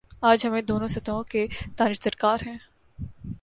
آج ہمیںدونوں سطحوں کی دانش درکار ہے